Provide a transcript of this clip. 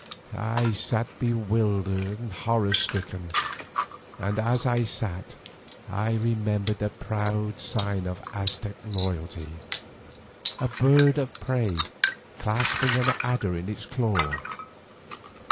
I sat bewildered and horror stricken, and as I sat I remembered the proud sign of Aztec royalty, a bird of prey clasping an adder in its claw.